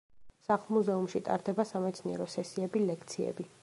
სახლ-მუზეუმში ტარდება სამეცნიერო სესიები, ლექციები.